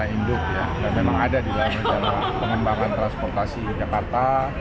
bacana induk ya memang ada di dalam penjajaran pengembangan transportasi jakarta